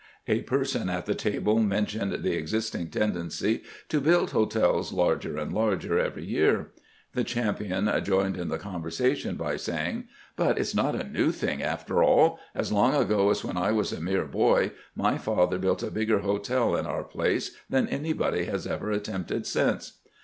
A person at tlie table mentioned the existing tendency to build hotels larger and larger every year. The champion joined in the conversation by saying :' But it 's not a new thing, after all. As long ago as when I was a mere boy, my father built a bigger hotel in our place than anybody has ever attempted since.'